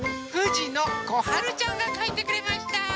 ふじのこはるちゃんがかいてくれました。